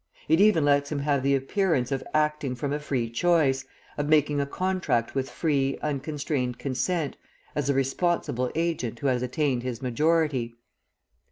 It even lets him have the appearance of acting from a free choice, of making a contract with free, unconstrained consent, as a responsible agent who has attained his majority.